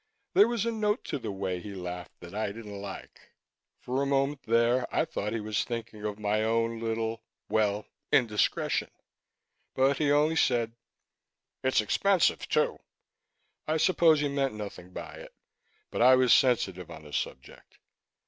There was a note to the way he laughed that I didn't like; for a moment there, I thought he was thinking of my own little well, indiscretion. But he said only, "It's expensive, too." I suppose he meant nothing by it. But I was sensitive on the subject.